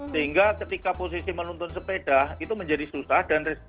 sehingga ketika posisi menuntun sepeda itu menjadi susah